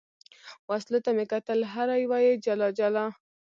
وسلو ته مې کتل، هره یوه یې جلا جلا.